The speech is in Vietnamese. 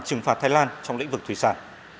trừng phạt thái lan trong lĩnh vực thủy sản